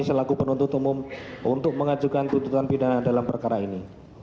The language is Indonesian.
selaku penuntut umum untuk mengajukan tuntutan pidana dalam perkara ini